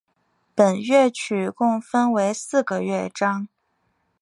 本乐曲共分为四个乐章。